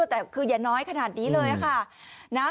แต่คืออย่าน้อยขนาดนี้เลยค่ะ